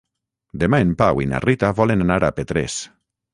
Demà en Pau i na Rita volen anar a Petrés.